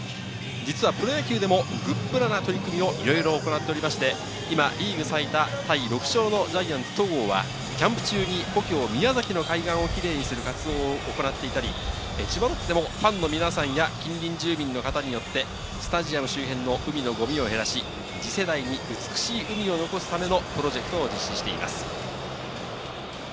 実はプロ野球でもグップラな取り組みをいろいろ行っておりまして、今、リーグ最多タイ６勝のジャイアンツ・戸郷はキャンプ中に故郷・宮崎の海岸をキレイにする活動を行っていたり、千葉ロッテもファンの皆さんや近隣住民の方によってスタジアム周辺の海のゴミを減らし、次世代に美しい海を残すためのプロジェクトを実施しています。